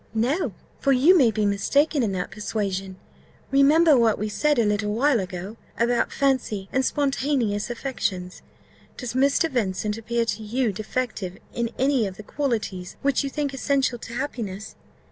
"No; for you may be mistaken in that persuasion. Remember what we said a little while ago, about fancy and spontaneous affections. Does Mr. Vincent appear to you defective in any of the qualities which you think essential to happiness?